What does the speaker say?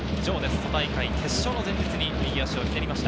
都大会決勝の前日に右足をひねりました。